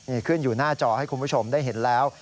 นี่ขึ้นอยู่หน้าจอให้คุณผู้ชมได้เห็นแล้ว